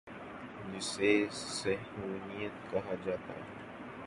جسے صہیونیت کہا جا تا ہے۔